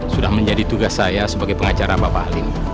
sudah menjadi tugas saya sebagai pengacara bapak ahli